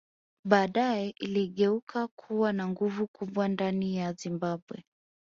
Badae iligeuka kuwa na nguvu kubwa ndani ya Zimbabwe